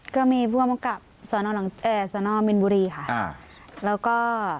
ก็มีผู้กำกับสนมินบุรีค่ะแล้วก็